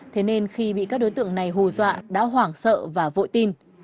thế nên khi bị các đối tượng này hù dọa đã hoảng sợ và vội tin